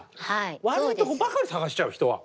悪いところばかり探しちゃう人は。